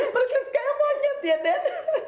persis kayak monyet ya nenek